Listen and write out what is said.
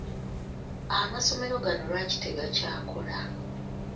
Amasomero gano lwaki tegakyakola?